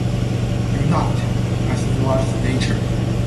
Unite, as invites nature.